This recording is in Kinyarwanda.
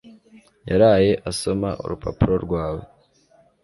yaraye asoma urupapuro rwawe